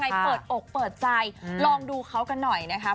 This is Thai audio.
เปิดอกเปิดใจลองดูเขากันหน่อยนะคะ